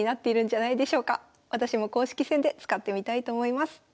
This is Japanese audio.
私も公式戦で使ってみたいと思います。